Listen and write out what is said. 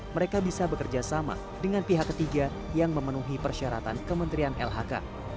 mereka bisa bekerja sama dengan pihak ketiga yang memenuhi persyaratan kementerian lhk